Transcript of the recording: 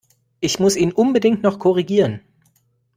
Ich muss ihn unbedingt noch korrigieren!